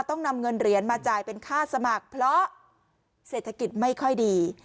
ต้องนำเงินเหรียญมาจ่ายเป็นค่าสมัครเพราะเศรษฐกิจไม่ค่อยดี